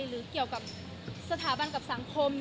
หรือเกี่ยวกับสถาบันกับสังคม